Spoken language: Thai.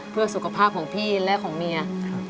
เพื่อสุขภาพของพี่และของเมีย